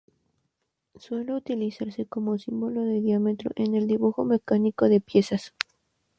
Suele utilizarse como símbolo de diámetro en el dibujo mecánico de piezas.